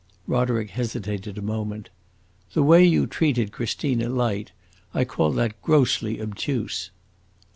Roderick hesitated a moment. "The way you treated Christina Light. I call that grossly obtuse."